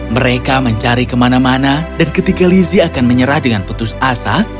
mereka mencari kemana mana dan ketika lizzie akan menyerah dengan putus asa